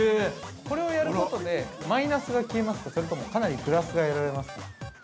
◆これをやることで、マイナスが消えますか、それともかなりプラスが得られますか？